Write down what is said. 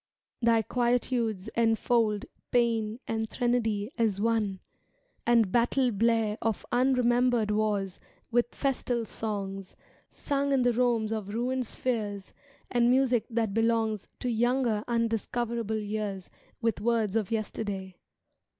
Thy quietudes enfold Pa^an and threnody as one And battle blare of unremembered wars With festal songs, Sung in the Romes of ruined spheres, And music that belongs To younger, undiscoverable years With words of yesterday.